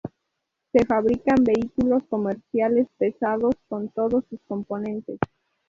Se fabrican vehículos comerciales pesados con todos sus componentes.